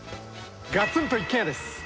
『ガツンと一軒家』です。